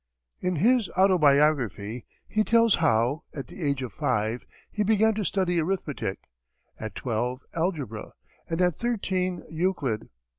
In his autobiography he tells how, at the age of five, he began to study arithmetic, at twelve algebra, and at thirteen Euclid.